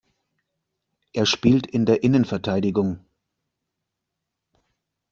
Er spielt in der Innenverteidigung.